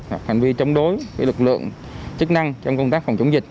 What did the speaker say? hoặc hành vi chống đối với lực lượng chức năng trong công tác phòng chống dịch